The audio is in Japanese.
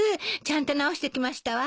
ちゃんと直してきましたわ。